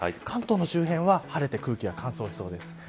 関東の周辺は晴れて空気が乾燥しそうです。